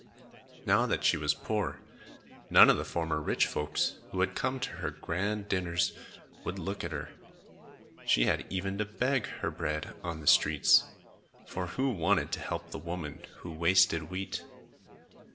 Now that she was poor, none of the former rich folks, who had come to her grand dinners, would look at her. She had even to beg her bread on the streets; for who wanted to help the woman who wasted wheat?